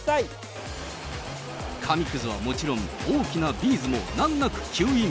紙くずはもちろん、大きなビーズも難なく吸引。